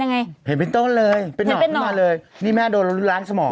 ยังไงเห็นเป็นต้นเลยเป็นหน่อเป็นหน่อมาเลยนี่แม่โดนล้างสมอง